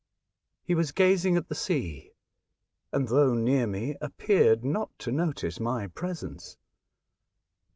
He was gazing at the sea, and though near me appeared not to notice my presence.